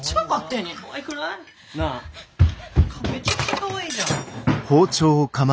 なあめちゃくちゃかわいいじゃん。